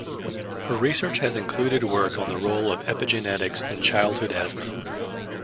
Her research has included work on the role of epigenetics in childhood asthma.